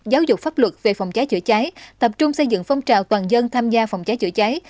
giáo dục pháp luật về phòng cháy chữa cháy tập trung xây dựng phong trào toàn dân tham gia phòng cháy chữa cháy